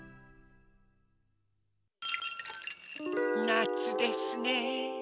なつですね。